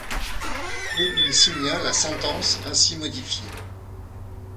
Et il signa la sentence ainsi modifiée.